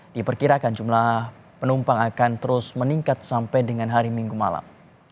diperkirakan jumlah penumpang akan terus meningkat sampai dengan hari minggu malam